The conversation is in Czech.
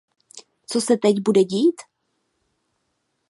Co se teď bude dít?